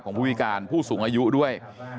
ผู้พิการผู้สูงอายุด้วย